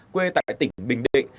quê tại tỉnh bình định